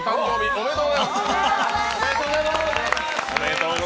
ありがとうございます。